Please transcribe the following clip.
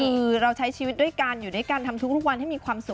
คือเราใช้ชีวิตด้วยกันอยู่ด้วยกันทำทุกวันให้มีความสุข